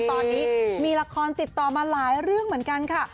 ตอนนี้มีละครติดต่อมาหลายเรื่องเหมือนกันค่ะ